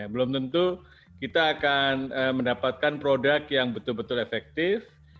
belum tentu kita akan mendapatkan produk yang betul betul efektif